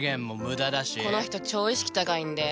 この人超意識高いんで。